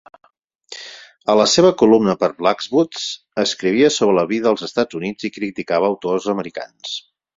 A la seva columna per "Blackwood's" escrivia sobre la vida als Estats Units i criticava autors americans.